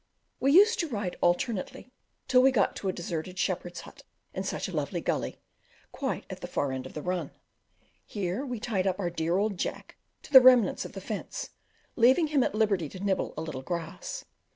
We used to ride alternately, till we got to a deserted shepherd's hut in such a lovely gully, quite at the far end of the run! Here we tied up dear quiet old Jack to the remnants of the fence, leaving him at liberty to nibble a little grass.